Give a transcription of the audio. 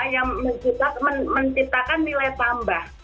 yang menciptakan nilai tambah